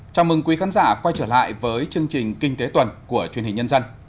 chào mừng quý khán giả quay trở lại với chương trình kinh tế tuần của truyền hình nhân dân